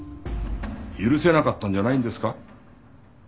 許せなかったんじゃないんですか？